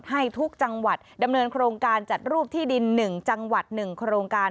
ให้ทุกจังหวัดดำเนินโครงการจัดรูปที่ดิน๑จังหวัด๑โครงการ